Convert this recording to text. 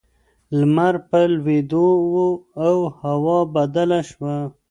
لمر په لوېدو و او هوا بدله شوه.